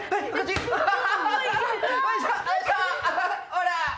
ほら！